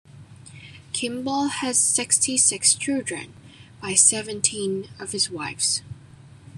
Kimball had sixty-six children by seventeen of his wives.